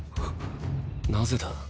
なぜだ？